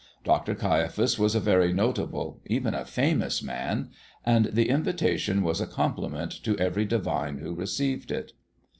Dr. Caiaphas was a very notable, even a famous man, and the invitation was a compliment to every divine who received it.